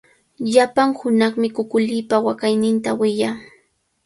Llapan hunaqmi kukulipa waqayninta wiyaa.